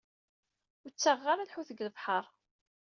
Ur ttaɣeɣ ara lḥut deg lebḥeṛ.